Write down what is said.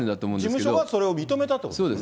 事務所がそれを認めたってことですよね。